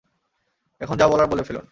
এখন যা বলার বলে ফেলুন!